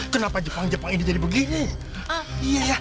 kenapa kepang kepang ini jadi begini